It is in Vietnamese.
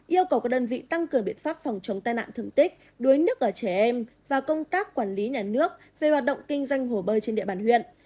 yêu cầu các đơn vị tăng cường biện pháp phòng chống tai nạn thương tích đuối nước ở trẻ em và công tác quản lý nhà nước về hoạt động kinh doanh hồ bơi trên địa bàn huyện